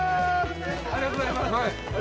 ありがとうございます。